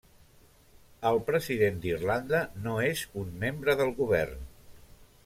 El president d'Irlanda no és un membre del govern.